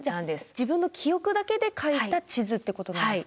自分の記憶だけで描いた地図ってことなんですか。